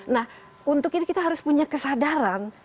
nah untuk ini kita harus punya kesadaran